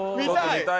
見たい！